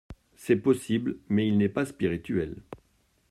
C’est possible, mais il n’est pas spirituel.